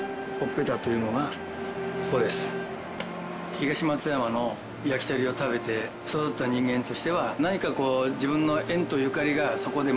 東松山のやきとりを食べて育った人間としては何か自分の縁とゆかりがそこでマッチして。